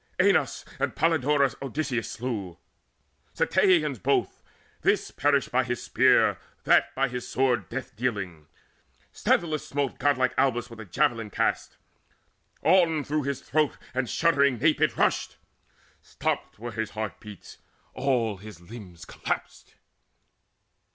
Aenus and Polydorus Odysseus slew, Ceteians both; this perished by his spear, That by his sword death dealing. Sthenelus Smote godlike Abas with a javelin cast: On through his throat and shuddering nape it rushed: Stopped were his heart beats, all his limbs collapsed.